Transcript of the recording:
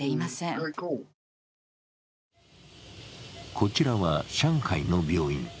こちらは上海の病院。